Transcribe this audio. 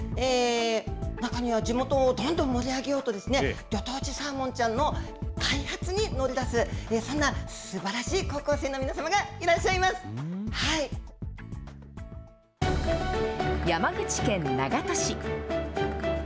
中には、地元をどんどん盛り上げようと、ぎょ当地サーモンちゃんの開発に乗り出す、そんなすばらしい高校生の皆様がいらっしゃい山口県長門市。